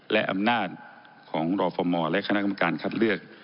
และอำนาจของรอฟมและคณะกรรมการคัดเลือก